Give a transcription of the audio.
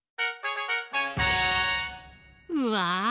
うわ！